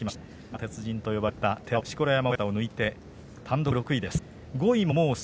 鉄人といわれた寺尾、錣山親方を抜いて単独６位です。